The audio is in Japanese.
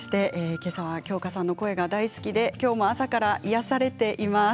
けさは、京香さんの声が大好きできょうも朝から癒やされています。